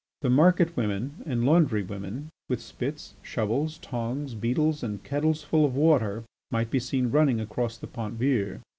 The market women and laundry women with spits, shovels, tongs, beetles, and kettles full of water might be seen running across the Pont Vieux.